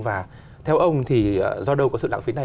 và theo ông thì do đâu có sự lãng phí này